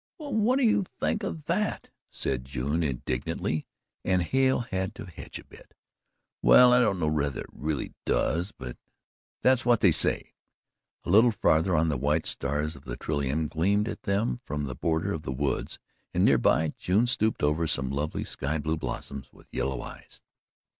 "Well, what do you think o' that!" said June indignantly, and Hale had to hedge a bit. "Well, I don't know whether it REALLY does, but that's what they SAY." A little farther on the white stars of the trillium gleamed at them from the border of the woods and near by June stooped over some lovely sky blue blossoms with yellow eyes.